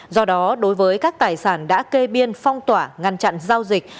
do đó đối với các tài sản đã kê biên phong tỏa ngăn chặn giao dịch